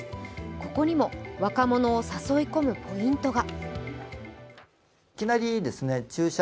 ここにも若者を誘い込むポイントが。